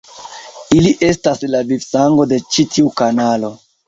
Ili estas la vivsango de ĉi tiu kanalo.